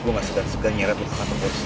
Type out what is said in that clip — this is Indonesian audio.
gue ga segan segan nyeret lo ke kantor bursi